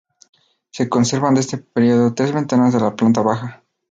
Se conservan de este período tres ventanas de la planta baja.